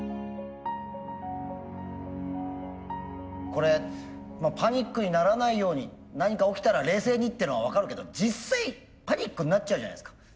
これパニックにならないように何か起きたら冷静にっていうのは分かるけど実際パニックになっちゃうじゃないですか。